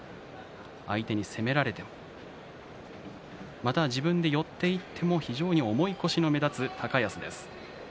相手に攻められてもまた自分で寄っていっても非常に重い腰の目立つ高安です。